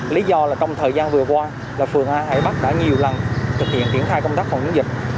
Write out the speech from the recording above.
lý do là trong thời gian vừa qua là phường hải bắc đã nhiều lần thực hiện kiển thai công tác phòng dịch